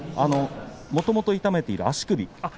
もともと痛めている足首